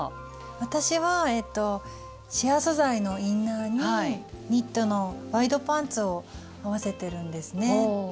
私はシア素材のインナーにニットのワイドパンツを合わせてるんですね。